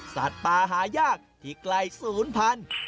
สัตว์ป่าหายากที่ใกล้ศูนย์พันธุ์